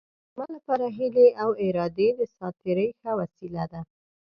زما لپاره هیلې او ارادې د ساعت تېرۍ ښه وسیله ده.